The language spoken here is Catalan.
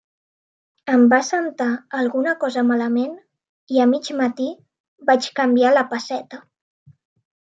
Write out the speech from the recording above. Em va sentar alguna cosa malament i a mig matí vaig canviar la pesseta.